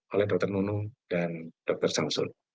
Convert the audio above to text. oleh dr nunu dan dr samsul